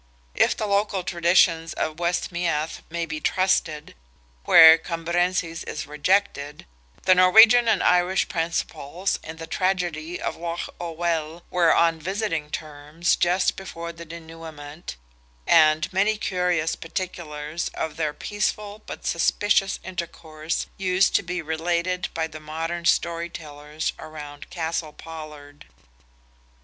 If the local traditions of Westmeath may be trusted, where Cambrensis is rejected, the Norwegian and Irish principals in the tragedy of Lough Owel were on visiting terms just before the denouement, and many curious particulars of their peaceful but suspicious intercourse used to be related by the modern story tellers around Castle pollard.